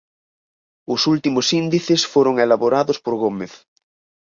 Os últimos índices foron elaborados por Gómez.